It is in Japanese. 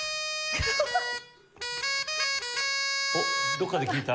どこかで聞いた。